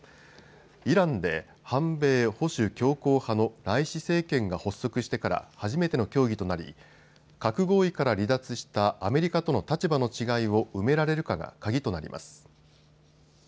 イランで反米・保守強硬派のライシ政権が発足してから初めての協議となり核合意から離脱したアメリカとの立場の違いを埋められるかが鍵となります。